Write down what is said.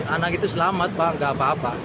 anak itu selamat pak gak apa apa